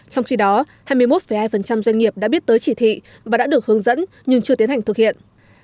trong khi đó hai mươi một hai doanh nghiệp đã biết tới chỉ thị và đã được hướng dẫn nhưng chưa tiến hành thực hiện